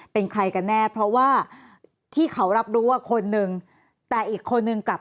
เป็นใครกันแน่เพราะว่าที่เขารับรู้ว่าคนนึงแต่อีกคนนึงกลับ